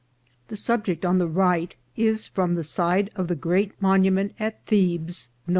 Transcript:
The subject on the right is from the side of the great monument at Thebes known VOL.